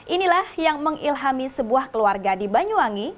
inilah yang mengilhami sebuah keluarga di banyuwangi